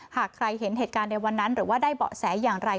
หากใครเห็นเหตุการณ์ในวันนั้นหรือว่าได้เบาะแสอย่างไร